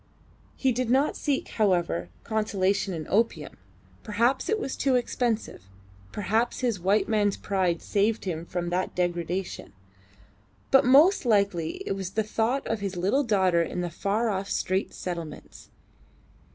He did not seek, however, consolation in opium perhaps it was too expensive perhaps his white man's pride saved him from that degradation; but most likely it was the thought of his little daughter in the far off Straits Settlements.